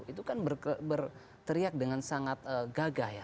itu kan berteriak dengan sangat gagah ya